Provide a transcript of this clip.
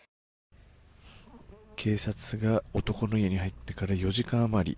警察が男の家に入ってから４時間余り。